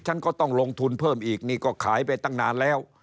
ฉันก็ต้องลงทุนเพิ่มอีกนี่ก็ขายไปตั้งนานแล้ว